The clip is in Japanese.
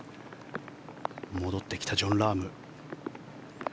戻ってきたジョン・ラーム。